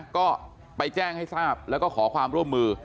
ก็ไปแจ้งให้ทราบแล้วก็ขอความร่วมมือ